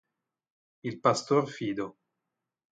Il pastor fido